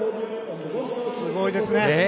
すごいですね。